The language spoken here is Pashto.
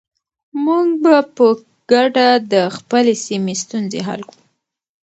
موږ به په ګډه د خپلې سیمې ستونزې حل کړو.